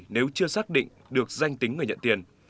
nếu chưa xác định được danh tính người nhận tiền